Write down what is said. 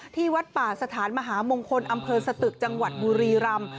ที่วัดป่าสถานมหามงคลอำเภอสตึกจังหวัดบุรีรำ